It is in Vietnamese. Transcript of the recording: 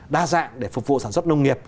đa dạng để phục vụ sản xuất nông nghiệp